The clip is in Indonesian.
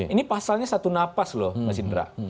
ini pasalnya satu napas loh mas indra